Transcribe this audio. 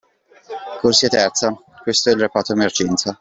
Corsia terza, questo è il reparto emergenza.